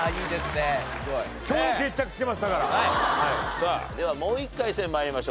さあではもう一回戦参りましょう。